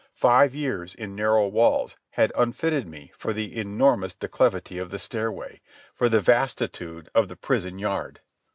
Five years in narrow walls had unfitted me for the enormous declivity of the stairway, for the vastitude of the prison yard.